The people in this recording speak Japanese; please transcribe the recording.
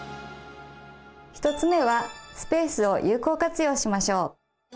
１つ目めはスペースを有効活用しましょう！